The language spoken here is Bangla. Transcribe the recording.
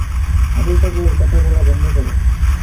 আবল-তাবল কথা বলা বন্ধ কর।